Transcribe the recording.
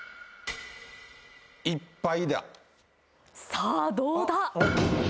さあどうだ？